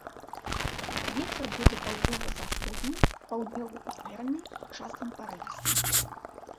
Вецер будзе паўднёва-заходні, паўднёвы ўмераны, часам парывісты.